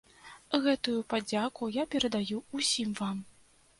Гэтую падзяку я перадаю ўсім вам.